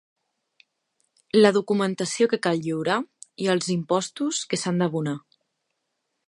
La documentació que cal lliurar i els impostos que s'han d'abonar.